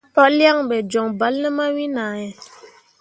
Palyaŋ ɓe joŋ bal ne mawin ahe.